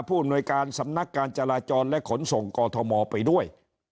อำนวยการสำนักการจราจรและขนส่งกอทมไปด้วย